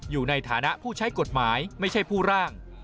อยู่ในฐานะผู้ใช้กฎหมายไม่ใช่ผู้ร่าง